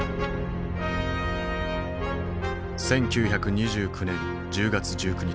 １９２９年１０月１９日。